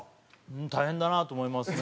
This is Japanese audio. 大変だなと思いますね。